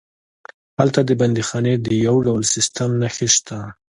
هلته د بندیخانې د یو ډول سیسټم نښې شته.